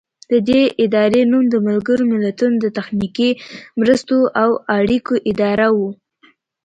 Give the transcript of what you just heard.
د دې ادارې نوم د ملګرو ملتونو د تخنیکي مرستو او اړیکو اداره و.